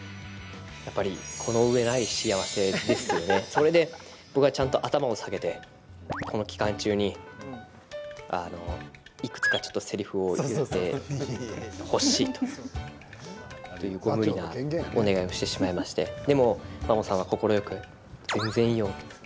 それで僕はちゃんと頭を下げてこの期間中にいくつか、ちょっとせりふを言ってほしいというご無理なお願いをしてしまいましてでもマモさんは快く全然いいよ、何言う？